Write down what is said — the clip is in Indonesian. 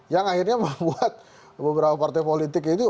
yang akhirnya membuat beberapa partai politik itu